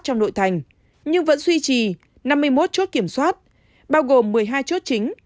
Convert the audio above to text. trong nội thành nhưng vẫn duy trì năm mươi một chốt kiểm soát bao gồm một mươi hai chốt chính